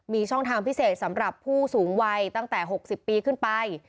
มีช่องทางพิเศษสำหรับผู้สูงวัยตั้งแต่๖๐ปีขึ้นไป